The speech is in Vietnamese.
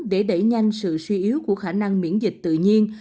để đẩy nhanh sự suy yếu của khả năng miễn dịch tự nhiên